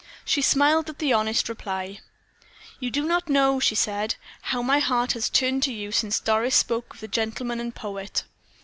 She smiled at the honest reply. "You do not know," she said, "how my heart has turned to you since Doris spoke of the 'gentleman and poet.'